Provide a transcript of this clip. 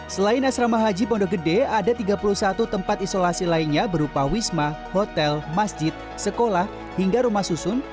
selain asrama haji pondok gede ada tiga puluh satu tempat isolasi lainnya berupa wisma hotel masjid sekolah hingga rumah susun